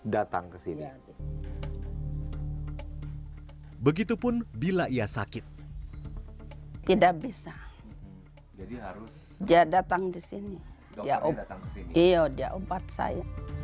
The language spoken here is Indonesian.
datang ke sini begitu pun bila ia sakit tidak bisa jadi harus dia datang di sini ya obat saya